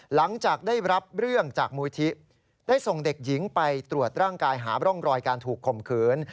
หลังจากได้รับเรื่องจากมูลที่ได้ส่งเด็กหญิงไปตรวจร่างกายหาร่องรอยการถูกข่มขืน